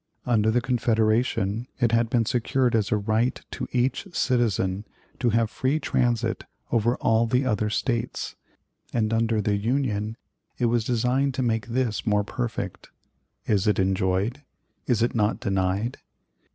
Under the Confederation it had been secured as a right to each citizen to have free transit over all the other States; and under the Union it was designed to make this more perfect. Is it enjoyed? Is it not denied?